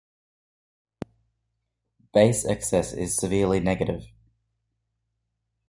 Base excess is severely negative.